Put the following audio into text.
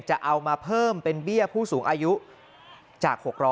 จะเอามาเพิ่มเป็นเบี้ยผู้สูงอายุจาก๖๐๐